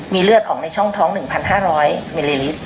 มีเลือดออกในช่องท้อง๑๕๐๐มิลลิลิตร